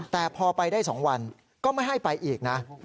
แต่พอไปได้๒วันก็ไม่ให้ไปอีกนะ